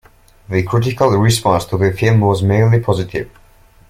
The critical response to the film was mainly positive.